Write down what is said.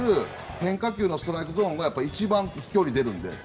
変化球のストライクゾーンが一番飛距離出るので。